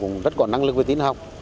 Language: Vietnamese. chúng tôi rất có năng lực với tiến học